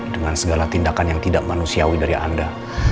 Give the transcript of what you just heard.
dengan segala tindakan yang tidak manusiawi dari anda